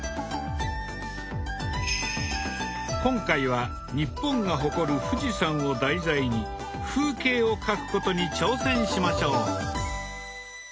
今回は日本が誇る富士山を題材に風景を描くことに挑戦しましょう。